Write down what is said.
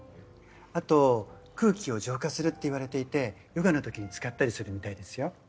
あと空気を浄化するっていわれていてヨガのときに使ったりするみたいですよ。